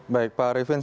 baik pak riefin